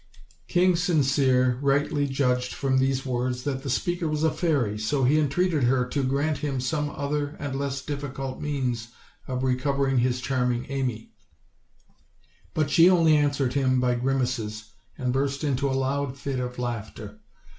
King Sincere rightly judged from these words that the speaker was a fairy; so he entreated her to grant him some other and less difficult means of recovering his charming Amy; but she only answered him by grimaces, and burst into a loud fit of laughter.